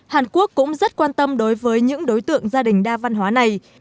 hàn quốc cũng rất quan tâm đối với những đối tượng gia đình đa văn hóa này